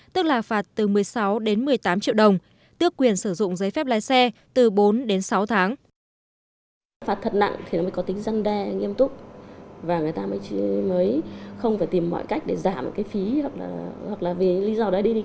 tức là phạt từ một mươi sáu đến một mươi tám triệu đồng tước quyền sử dụng giấy phép lái xe từ bốn đến sáu tháng